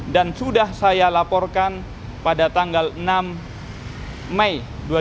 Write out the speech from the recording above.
dan sudah saya laporkan pada tanggal enam mei dua ribu dua puluh empat